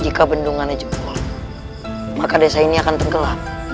jika bendungannya jepul maka desa ini akan tergelap